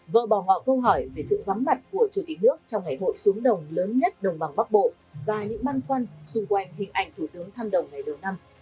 vợ bỏ họ câu hỏi về sự vắng mặt của chủ tịch nước trong ngày hội xuống đồng lớn nhất đồng bằng bắc bộ và những băn khoăn xung quanh hình ảnh thủ tướng thăm đồng ngày đầu năm